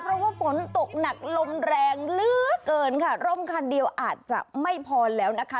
เพราะว่าฝนตกหนักลมแรงเหลือเกินค่ะร่มคันเดียวอาจจะไม่พอแล้วนะคะ